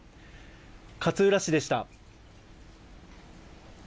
勝浦市でした。